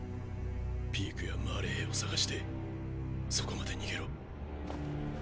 ピークやマーレ兵を探してそこまで逃げろ。